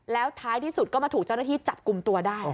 แล้วท้ายที่สุดก็มาถูกเจ้าหน้าที่จับกลุ่มตัวได้